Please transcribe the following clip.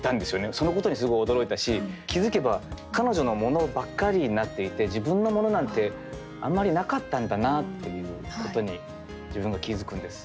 そのことにすごい驚いたし気づけば彼女の物ばっかりになっていて自分の物なんてあんまりなかったんだなっていうことに自分が気づくんです。